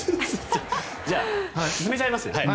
じゃあ進めちゃいますね。